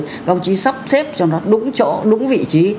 các ông chí sắp xếp cho nó đúng chỗ đúng vị trí